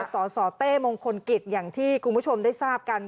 สสเต้มงคลกิจอย่างที่คุณผู้ชมได้ทราบกัน